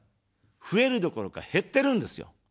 増えるどころか減ってるんですよ。